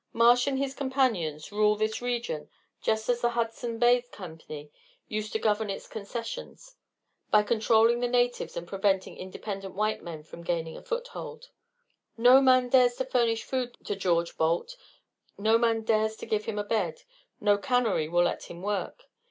Marsh and his companions rule this region just as the Hudson's Bay Company used to govern its concessions: by controlling the natives and preventing independent white men from gaining a foothold. "No man dares to furnish food to George Balt; no man dares to give him a bed, no cannery will let him work.